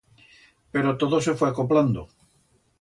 Pero todo se fue acoplando.